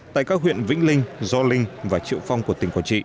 tại các huyện việt nam